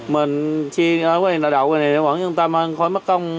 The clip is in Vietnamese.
mình xe ở đây đậu ở đây vẫn yên tâm khối mất công